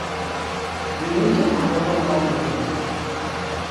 Diumenge en Blai vol anar a Vinebre.